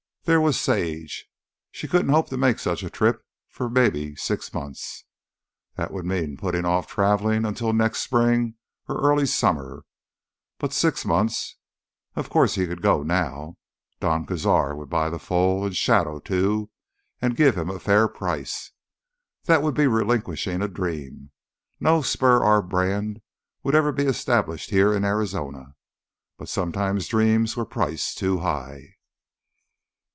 There was Sage. She couldn't hope to make such a trip for maybe six months. That would mean putting off traveling until next spring or early summer. But six months ... Of course, he could go now. Don Cazar would buy the foal and Shadow, too, and give him a fair price. That would be relinquishing a dream. No Spur R brand would ever be established here in Arizona. But sometimes dreams were priced too high....